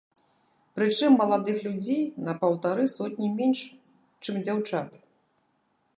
Прычым маладых людзей на паўтары сотні менш, чым дзяўчат.